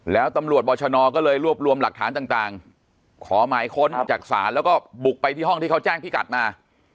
แล้วตำรวจบอชนก็เลยรวบรวมหลักฐานต่างขอหมายค้นจากศาลแล้วก็บุกไปที่ห้องที่เขาแจ้งพี่กัดมา